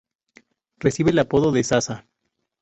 Recibe el apodo de "Saša".